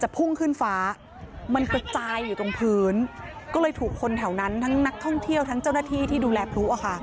พุ่งขึ้นฟ้ามันกระจายอยู่ตรงพื้นก็เลยถูกคนแถวนั้นทั้งนักท่องเที่ยวทั้งเจ้าหน้าที่ที่ดูแลพลุ